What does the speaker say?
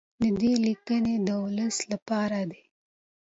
د ده لیکنې د ولس لپاره دي.